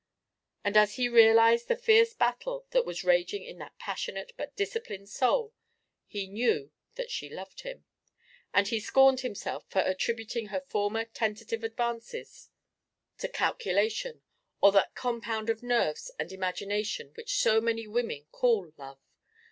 And as he realised the fierce battle that was raging in that passionate but disciplined soul, he knew that she loved him, and he scorned himself for attributing her former tentative advances to calculation or that compound of nerves and imagination which so many women call love.